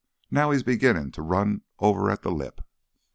now he's beginnin' to run right over at th' lip."